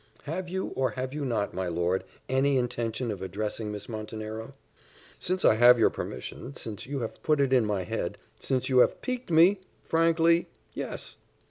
"Have you, or have you not, my lord, any intention of addressing Miss Montenero?" "Since I have your permission since you have put it in my head since you have piqued me frankly yes."